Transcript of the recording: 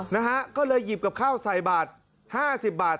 นะฮะก็เลยหยิบกับข้าวใส่บาทห้าสิบบาท